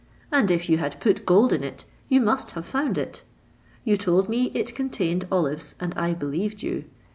And if you had put gold in it, you must have found it. You told me it contained olives, and I believed you.